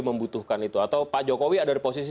membutuhkan itu atau pak jokowi ada di posisi